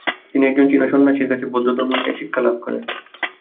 তিনি একজন চীনা সন্ন্যাসীর কাছে বৌদ্ধধর্ম নিয়ে শিক্ষালাভ করেন।